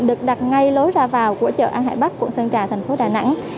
được đặt ngay lối ra vào của chợ an hải bắc quận sơn trà thành phố đà nẵng